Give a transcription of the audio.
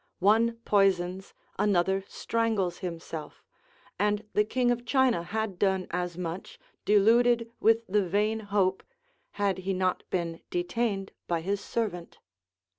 One poisons, another strangles himself, and the King of China had done as much, deluded with the vain hope, had he not been detained by his servant.